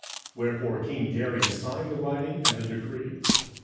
27:006:009 Wherefore king Darius signed the writing and the decree.